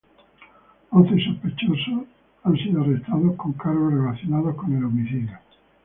Once sospechosos han sido arrestados por cargos relacionados con el homicidio.